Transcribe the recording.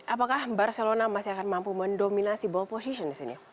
apakah barcelona masih akan mampu mendominasi ball position di sini